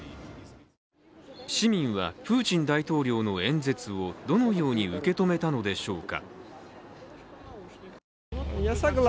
市民は、プーチン大統領の演説をどのように受け止めたのでしょうか。